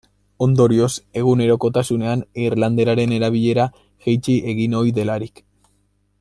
Ondorioz, egunerokotasunean irlanderaren erabilera jaitsi egin ohi delarik.